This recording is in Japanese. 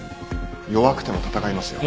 弱くても戦いますよ。